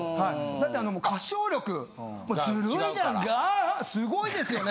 だって歌唱力ずるいじゃん！がすごいですよね。